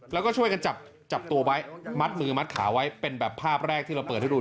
แล้วก็ช่วยกันจับตัวไว้มัดมือมัดขาไว้เป็นแบบภาพแรกที่เราเปิดให้ดู